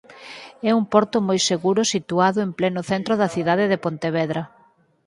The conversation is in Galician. É un porto moi seguro situado en pleno centro da cidade de Pontevedra.